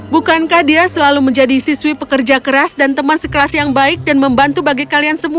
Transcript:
bukankah dia selalu menjadi siswi pekerja keras dan teman sekelas yang baik dan membantu bagi kalian semua